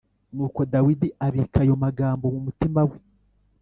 Nuko Dawidi abika ayo magambo mu mutima we